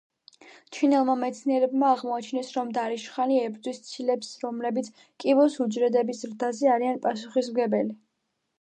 ჩინელმა მეცნიერებმა აღმოაჩინეს, რომ დარიშხანი ებრძვის ცილებს რომლებიც კიბოს უჯრედების ზრდაზე არიან პასუხისმგებელი.